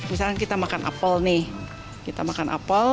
misalkan kita makan apel nih kita makan apel